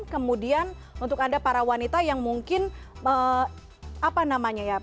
kemudian untuk anda para wanita yang mungkin apa namanya ya